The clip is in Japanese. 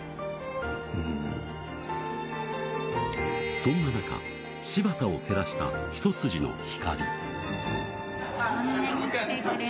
そんな中、柴田を照らした一筋の光。